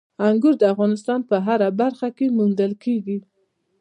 انګور د افغانستان په هره برخه کې موندل کېږي.